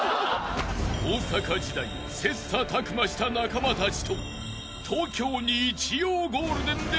［大阪時代切磋琢磨した仲間たちと東京日曜ゴールデンで夢の共演］